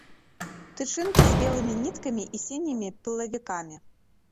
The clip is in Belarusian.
Тычынкі з белымі ніткамі і сінімі пылавікамі.